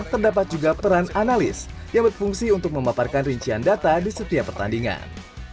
terdapat juga peran analis yang berfungsi untuk memaparkan rincian data di setiap pertandingan